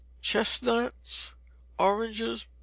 Chestnuts, oranges.